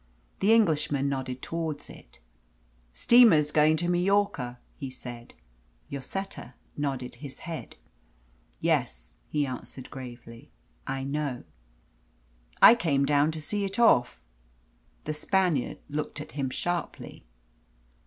The Englishman nodded towards it. "Steamer's going to Majorca," he said. Lloseta nodded his head. "Yes," he answered gravely, "I know." "I came down to see it off!" The Spaniard looked at him sharply.